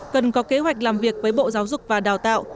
cần có kế hoạch làm việc với bộ giáo dục và đào tạo